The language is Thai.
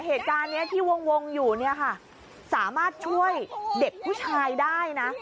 เหตุการณ์นี้ที่วงอยู่เนี่ยค่ะสามารถช่วยเด็กผู้ชายได้นะ